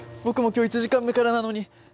僕も今日１時間目からなのに！